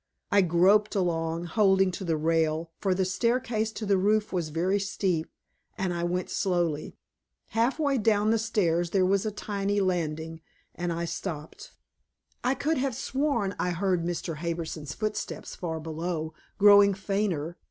I groped along, holding to the rail, for the staircase to the roof was very steep, and I went slowly. Half way down the stairs there was a tiny landing, and I stopped. I could have sworn I heard Mr. Harbison's footsteps far below, growing fainter.